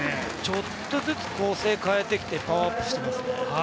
ちょっとずつ構成変えてパワーアップしてますね。